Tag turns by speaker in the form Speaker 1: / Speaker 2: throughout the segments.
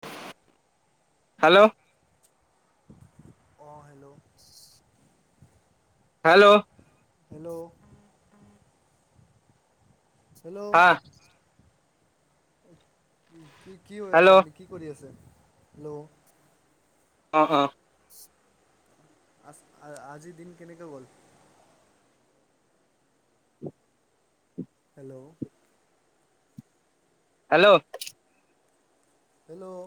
Speaker 1: হ [inaudible]
Speaker 2: হেল্ল'
Speaker 1: অঁ hello,
Speaker 2: hello
Speaker 1: hello hello উ উম কি কি হৈ আছে আপুনি কি কৰি আছে ল'
Speaker 2: অ অ
Speaker 1: আ আজিৰ দিন কেনেকে গ'ল হেল্ল'
Speaker 2: হেল্ল'
Speaker 1: হেল্ল'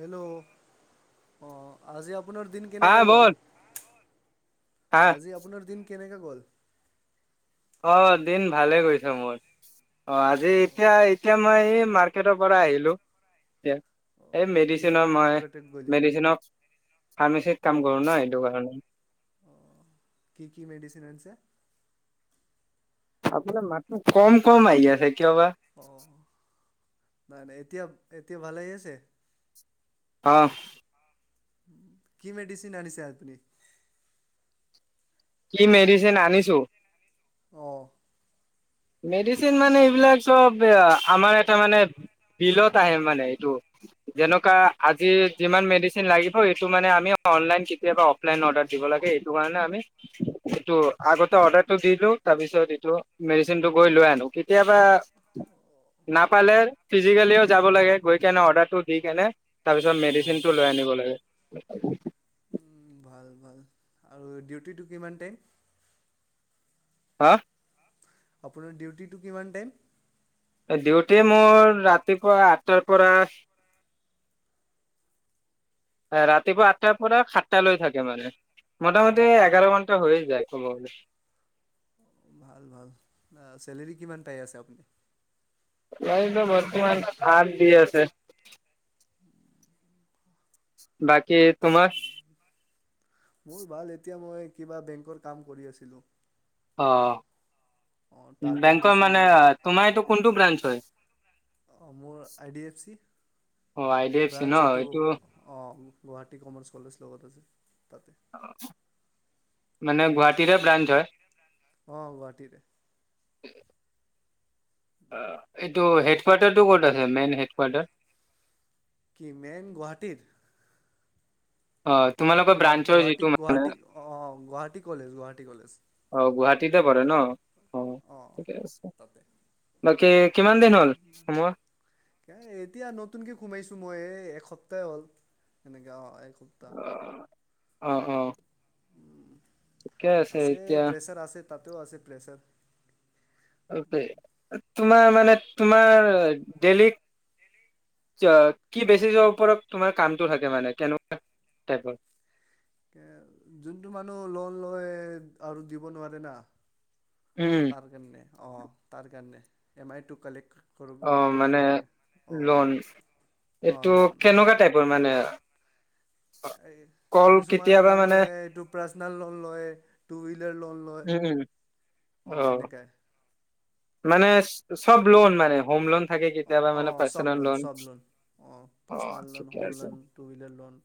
Speaker 1: হেল্ল' অ আজি আ আপোনাৰ দিন
Speaker 2: হা
Speaker 1: কেনেকা গ'ল
Speaker 2: বল হা
Speaker 1: আজি আপোনাৰ দিন কেনেকে গ'ল
Speaker 2: অ দিন ভালে গৈছে মোৰ অ আজি এতিয়া এতিয়া মই এই মাৰ্ তেখেতৰ পৰা আহিলো এতিয়া এই
Speaker 1: অঁ কিহৰ
Speaker 2: মেডিচিনৰ
Speaker 1: কাৰণে
Speaker 2: মই
Speaker 1: মাৰ্কেটত গৈছা?
Speaker 2: মেডিচিনৰ ফাৰ্মাচত কাম
Speaker 1: অঁ
Speaker 2: কৰোঁ ন এইটো কাৰণে
Speaker 1: কি কি মেডিচিন আনিছে?
Speaker 2: আপোনাৰ মাতটো কম কম আহি আছে কিয় বা
Speaker 1: অ নাই নাই এই এতিয়া এতিয়া ভালেই আছে
Speaker 2: আহ
Speaker 1: কি মেডিছিন আনিছে আপুনি
Speaker 2: কি মেডিচিন আনিছো
Speaker 1: আহঁ
Speaker 2: মেডিচিন মানে এইবিলাকব আমাৰ এটা মানে বিলত আহে মানে এইটো যেনেকুৱা আজি যিমান মেডিচিন লাগ এইটো মানে আমি অনলন কেতিয়াবা অফলাইন অৰ্ডাৰ দিব লাগে সেইটো কাৰণে আগতে অৰ্ডাৰ দি দিও তাৰ পিছত লৈ আনো কেতিয়াবা পালে ফিজিকেলিও যাব
Speaker 1: অঁ
Speaker 2: লাগে গৈ কেনে অৰ্ডাৰটো দি কেনে তাৰপিছত মেডিচিনটো লৈ আনিব লাগে হয়
Speaker 1: উ ভাল ভাল আৰু ডিউটিটো কিমান টাইম
Speaker 2: হা
Speaker 1: আপোনাৰ ডিউটিটো কিমান টাইম
Speaker 2: ডিউটি মোৰ ৰাতিপুৱা আঠটাৰ পৰা ৰাতিপুৱা আঠটাৰ পৰা সাতটা লৈ থাকে মানে মোটামুটি
Speaker 1: অ'
Speaker 2: এঘাৰ মান ত হৈ যায় ক দে
Speaker 1: ভাল ভাল চেলেৰি কিমান পাই আছে আপুনি
Speaker 2: এইটো বৰ্তমান হাত দি আছে বাকী কি তোমাৰ
Speaker 1: মোৰ ভাল এতিয়া মই কিবা বেংকৰ কাম কৰি আছিলোঁ
Speaker 2: অ
Speaker 1: অ' টাৰ্গেট
Speaker 2: বেংকৰ
Speaker 1: দিছিলে
Speaker 2: মানে তোমাৰ এইটো কোনটো ব্ৰাঞ্চ হয়।
Speaker 1: অঁ মোৰ আই ডি এফ চি
Speaker 2: অ' আই ডি এফ চি ন
Speaker 1: ব্ৰাঞ্চ এইিটো
Speaker 2: এইটো
Speaker 1: অঁ গুৱাহাটী কমাৰ্চ কলেজ লগত আছে তাতে।
Speaker 2: অ মানে গুৱাহাটীৰে ব্ৰাঞ্চ হয়
Speaker 1: অঁ গুৱাহাটীৰে
Speaker 2: [unintelligible] এইটো হেড কোৱাৰ্টাৰটো ক'ত আছে মেইন হেড কোৱাৰ্টাৰ
Speaker 1: কি মেইন গুৱাহাটীৰ
Speaker 2: অ তোমোক ক
Speaker 1: গুৱা
Speaker 2: ব্ৰানঞ্চ হয়
Speaker 1: গুৱাহাটী
Speaker 2: যটো মানে
Speaker 1: গুৱাহাটী অ' গুৱাহাটী কলেজ গুৱাহাটী কলেজ
Speaker 2: অ গুৱাহাটীতে পৰে ন অঁ
Speaker 1: অ'
Speaker 2: ঠিকে আছে
Speaker 1: তাতে।
Speaker 2: বাকী কিমান দিন হ'ল সোমোৱা
Speaker 1: এতিয়া নতুনকে সোমাইছোঁ মই এই এসপ্তাহ হ'ল এনেকাা অ কু্তা
Speaker 2: অ অ ঠিকে আছে এতিয়া
Speaker 1: প্ৰেছাৰ আছে তাতেও আছে প্ৰেছাৰ
Speaker 2: তোমাৰ মানে তোমাৰ ডেইলী কি বেচিছৰ ওপৰত তোমাৰ কামটো থাকে মানে কেনেকুৱা টাইপৰ
Speaker 1: এ যোনটো মানুহ লোন লৈ আৰু দিব নোৱাৰে না
Speaker 2: উম,
Speaker 1: তাৰ কে অঁ তাৰ কাৰণে এম আইটো কালেক্ট কৰিব
Speaker 2: অ
Speaker 1: কৰিবৰ
Speaker 2: মানে
Speaker 1: কাৰণে অঁ
Speaker 2: লোন
Speaker 1: অঁ
Speaker 2: এইটো
Speaker 1: লোন
Speaker 2: কেনেকুৱা টাইপৰ মানে কল
Speaker 1: কিছুমান
Speaker 2: কেতিয়াবা মানে
Speaker 1: মানুহে এইটো পাৰ্চনেল লোন লয় টু হুইলাৰ লোন লয়
Speaker 2: উম উম
Speaker 1: অ এনেকাই
Speaker 2: মানে চব লোন মানে হম লোন থাকে কেতিয়াবা
Speaker 1: অ
Speaker 2: মানে
Speaker 1: সব
Speaker 2: পাৰ্চনেল
Speaker 1: লোন চব লোন অ পাৰ্চনেল লোন
Speaker 2: ঠিকে
Speaker 1: হোম
Speaker 2: আছে
Speaker 1: লোন টু হুইলাৰ লোন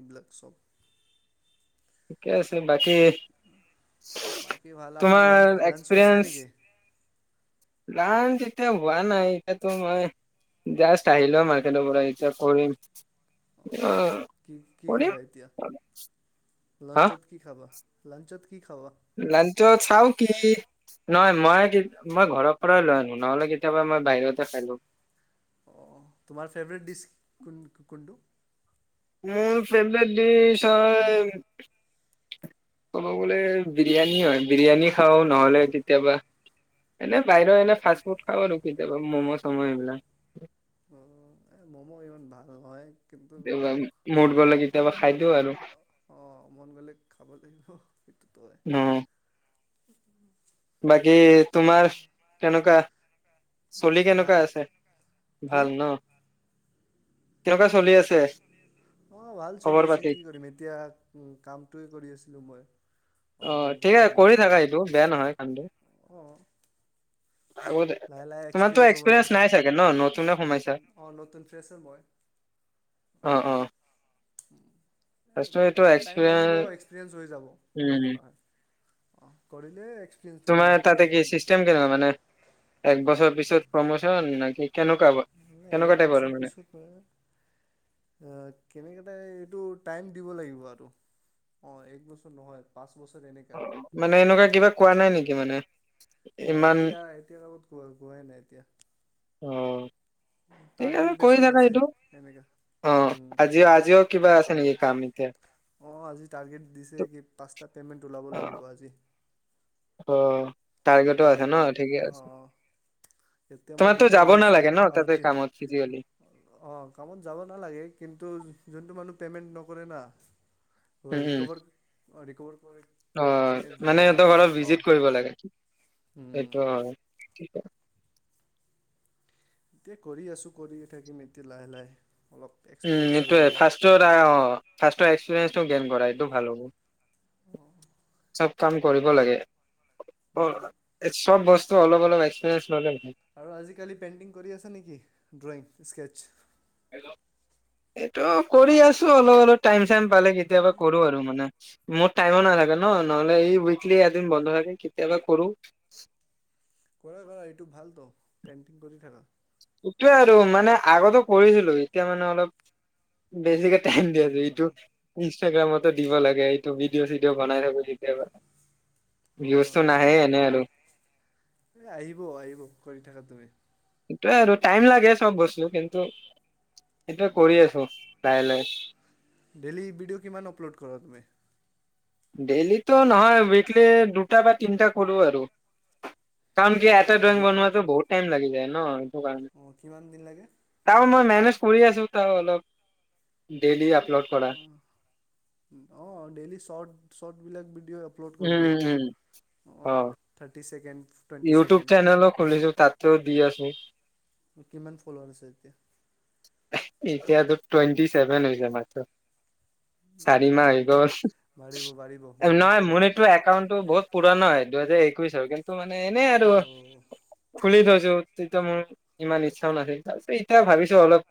Speaker 1: এইবিলাক চব
Speaker 2: ঠিকে আছে বাকী
Speaker 1: বাকী ভাল আপোনাৰ
Speaker 2: তোমাৰ
Speaker 1: লাঞ্চ লাঞ্চ হৈছে
Speaker 2: এক্সপিৰিয়েঞ্চ
Speaker 1: নেকি
Speaker 2: লান এতিয়া হোৱা নাই এতিাতো মই জাষ্ট আহিলো মাৰ্কেটৰ পৰা এতিয়া কৰিম আহ
Speaker 1: কি
Speaker 2: ব়িয়া
Speaker 1: লঞ্চত কি খাব লাঞ্চত কি খাবা?
Speaker 2: লাঞ্চ চাও কি নহয় মই মই ঘৰৰ পৰাই লৈ আনো নহলে কেতিয়াবা মই বাহিৰতে পালো
Speaker 1: অ তোমাৰ ফেভৰেট দিছ? কোন কোনটো [unintelligible]
Speaker 2: মোৰ ফেভট ডচ হয় ক'ব গলে বিৰিয়ানী হয় বিৰিয়ানী খাওঁ নহ'লে কেতিয়াবা এনে বাহিৰৰ এনে ফা ফুড খাওঁ আৰু কেতিয়াবা ম'ম' চম' এইবিলাক
Speaker 1: অ এ মম' ইমান ভাল নহয়। কিন্তু
Speaker 2: কেতিয়াবা মুড গ'লে
Speaker 1: অ
Speaker 2: কেতিয়াবা খাই দিওঁ আৰু
Speaker 1: অ মন গ'লে খাব লাগিব সেইটোতো হয়।
Speaker 2: ন বাকী তোমাৰ কেনেকুৱা চলি
Speaker 1: বাকী
Speaker 2: কেনেকুৱা
Speaker 1: ভাল
Speaker 2: আছে।
Speaker 1: কি?
Speaker 2: ভাল ন কেনেকুৱা চলি আছে
Speaker 1: অ ভাল
Speaker 2: খবৰ
Speaker 1: চলি আছে
Speaker 2: পাতি
Speaker 1: কি কৰিম এতিয়া উ কামটোয়ে কৰি আছিলো মই
Speaker 2: অ ঠিকেছে কৰি থাকা এইটো বেয়া নহয় কণটো
Speaker 1: অঁ
Speaker 2: আগ তোমাৰো
Speaker 1: না।
Speaker 2: এক্সপিৰিয়েঞ্চ নাই চাগে ন নতুনে সোমাইছা
Speaker 1: অ', নতুন ফ্ৰেছাৰ মই
Speaker 2: অ অ
Speaker 1: উম
Speaker 2: ফাৰ্ষ্টত এইটো
Speaker 1: অলপ টাইম লাগিব
Speaker 2: এক্সপিৰিয়েঞ্চ
Speaker 1: এক্সপিৰিয়েঞ্চ হৈ যাব
Speaker 2: উম
Speaker 1: এনেকুৱা নহয় অ কৰিলে এক্সপিৰিয়েঞ্চ পাম
Speaker 2: তোমাৰ তাতে কি
Speaker 1: না।
Speaker 2: চিষ্টেম কিন মানে এক বছৰ পিছত প্ৰমোচন নেকি?
Speaker 1: নাই এক বছৰ পিছত ন কেনেকা তাই এইটো টাইম দিব লাগিব আৰু এক বছৰ নহয় পাঁচ বছৰ এনেকা
Speaker 2: মানে এনেকুৱা কিবা কোৱা নাই নেকি মানে
Speaker 1: নাই
Speaker 2: ইমান
Speaker 1: এতিয়া এতিয়া লগত গ গোৱাই নাই এতিয়া
Speaker 2: অ ঠিক আছে কৰি থাকা এইটো অ আজিও আজিও কিবা আছে নেকি কাম এতিয়া অ
Speaker 1: [inaudible]
Speaker 2: অ
Speaker 1: এম
Speaker 2: টাৰ্গেটো
Speaker 1: আই
Speaker 2: আছে ন
Speaker 1: লোন
Speaker 2: ঠিকে
Speaker 1: অ
Speaker 2: আছে
Speaker 1: এতিয়া মই
Speaker 2: তোমাৰতো
Speaker 1: দুটা
Speaker 2: যাব
Speaker 1: ওলাইছো
Speaker 2: নালাগে ন
Speaker 1: আৰু
Speaker 2: তাতে
Speaker 1: তি
Speaker 2: কামত ফিজিকেলি
Speaker 1: অ কামত যাব নালাগে কিন্তু যোনটো মানুহ। [unintelligible] পে'মেণ্ট নকৰে না
Speaker 2: উম উম
Speaker 1: ৰিকোভাৰ [unintelligible] অ ৰিক [unintelligible]
Speaker 2: অ মানে সিহঁতৰ ঘৰত
Speaker 1: অ
Speaker 2: ভিজিত কৰিব লাগে কি [unintelligible] সেইটো
Speaker 1: উম,
Speaker 2: হয় [inaudible]
Speaker 1: এতিয়া কৰি আছোঁ কৰিয়ে থাকিম এতিয়া লাহে লাহে [unintelligible]
Speaker 2: উম
Speaker 1: এক্সপিৰিয়েঞ্চ হৈ
Speaker 2: সেইটোৱে
Speaker 1: যাব।
Speaker 2: ফাৰ্ষ্টত এক্সপেৰিয়েন্স গেইন কৰে এইটো ভাল হ'ব [unintelligible] কাম কৰিব লাগে অ
Speaker 1: উম,
Speaker 2: এই চব বস্তু ত অলপ অলপ আছে
Speaker 1: আৰু আজিকালি পেইণ্টিং কৰি আছা নেকি ড্ৰয়িং স্কেটচছ।
Speaker 2: এইটো কৰি আছো অলপ অলপ টাইম চাইম পালে কেতিয়াবা কৰো আৰু মানে মোৰ টাইমো নাথাকে ন নহলে উইকলি এদিন বন্ধ থাকে কেতিয়াবা কৰো।
Speaker 1: কৰা - কৰা এইটো ভাল তো পেণ্টিং কৰি থাকা।
Speaker 2: সটোৱে আৰু মানে আগতে কৰিছিলো এতিয়া মানে অলপ বেছিকে দিয়া- দিয়াএইটো ইনষ্টাগ্ৰামতো দিব লাগে এইটো ভিডিঅ চিডি' বনাই থাকো কেতিয়াবা।
Speaker 1: অহ ',
Speaker 2: ভিউজটো নাহে
Speaker 1: সেইটোয়
Speaker 2: এনে আৰু
Speaker 1: এ আহিব- আহিব কৰি থাকা তমে
Speaker 2: সেইটোয়ে আৰু টাইম লাগে চব বস্তু কিন্তু। এতিয়া কৰি আছো। কাইলে
Speaker 1: ডেইলী বিডিঅ কিমান অপলোড কৰা তুমি।
Speaker 2: ডেইলিতো নহয় উইকলি দুটা বা তিনিটা কৰোঁ আৰু। কাৰণ কি এটা ড্ৰইং বনোৱাটো বহুতটাইম লাগি যায়। ন।
Speaker 1: অঁহ ', কিমান দিন লাগে?
Speaker 2: অহ ',
Speaker 1: অহ ', - অহ ', ডেইলী শৰ্ট শৰ্ট বিলাক। দিয়া আপলোড কৰি
Speaker 2: উম
Speaker 1: দিয়া
Speaker 2: উম।
Speaker 1: অঁহ
Speaker 2: অ'।
Speaker 1: ', থাৰ ছেকেণ্ড টুৱেণ্টি
Speaker 2: ইউটিউব
Speaker 1: ছেকেণ্ড
Speaker 2: চেনেলো খুলিছো তাতও দি আছো। উম ',
Speaker 1: কিমান ফ'লয়াৰ'আছে।
Speaker 2: এতিয়াতো টুৱেণ্টি চেভেন হৈছে মাত্ৰ। চাৰিমাহ হৈ গ'ল
Speaker 1: বাঢ়িব বাঢ়িব মেহনত
Speaker 2: নহয়
Speaker 1: কৰা
Speaker 2: মোৰ এইটো একাউন্টটো বহুত পুৰণা হয় দুহেজাৰ এক। শছাৰ কিন্তু মানে এনেই আৰু
Speaker 1: অ
Speaker 2: খুলি থৈছো। মোৰ ইমান ইচ্ছাও নাছিল তাৰপিছত এতিয়া ভাবিছো অলপ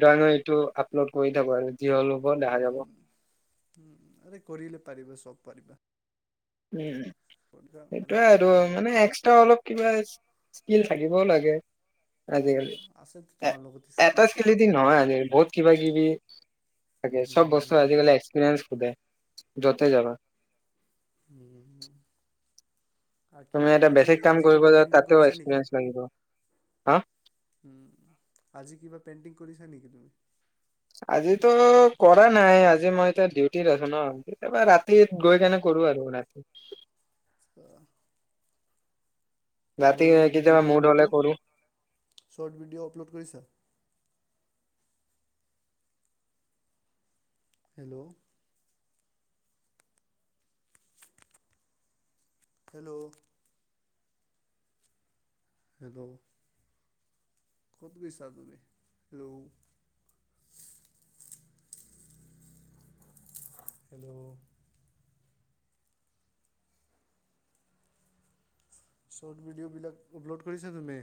Speaker 2: ড্ৰয়িঙৰ এইটো আপলোড কৰি থাকো আৰু। যি হ'ল হ'ব দেখা যাব
Speaker 1: উম', - উম ', আৰে কৰিলে পাৰিবা চব পাৰিবা।
Speaker 2: উম
Speaker 1: তুমি
Speaker 2: ',
Speaker 1: কৰিবা
Speaker 2: সেইটো আৰু
Speaker 1: অ
Speaker 2: মানে এক্সট্ৰা অলপ কিবা স্কিল থাকিবও লাগে
Speaker 1: উম
Speaker 2: আজিকালি
Speaker 1: আছেতো তোমাৰ লগত স্কিল
Speaker 2: এটা খেলিদি নহয় আজিকালি বহুত কিবা কিবি। এইবে তাকে চব বস্তু আজিকালি এক্সপৰিয়েঞ্চ। যাওতে যাবা।
Speaker 1: [unintelligible]
Speaker 2: তুমি
Speaker 1: কিমান
Speaker 2: এটা
Speaker 1: আজি
Speaker 2: বেছিক কাম
Speaker 1: আজি
Speaker 2: কৰিব
Speaker 1: কিবা
Speaker 2: যোৱা,
Speaker 1: পেইণ্টিং
Speaker 2: তাতেও
Speaker 1: কৰিছা
Speaker 2: এক্সপেৰিয়েন্স লাগিব। হা
Speaker 1: উম, আজি কিবা পেইণ্টিং কৰিছা নেকি তুমি?
Speaker 2: আজিতো কৰা নাই, আজি মই এতিয়া ডিউটিত আছো ন। এবাৰ
Speaker 1: অ
Speaker 2: ৰাতিত গৈ কেনে কৰো আৰু নাইট [inaudible]
Speaker 1: [unintelligible]
Speaker 2: ৰাতি
Speaker 1: আৰু
Speaker 2: কেতিয়াবা
Speaker 1: ভিডিঅ
Speaker 2: মুড হলে
Speaker 1: চিডিঅ
Speaker 2: কৰো
Speaker 1: শৰ্ট ভিডিঅ আপলোড কৰিছা। হেল্ল'। হেল্ল'। হেল্ল। ক'ত গৈছা তুমি, হেল্ল। হেল্লো। শৰ্ট ভিডিঅ'বিলাক আপল'ড কৰিছা, তুমি?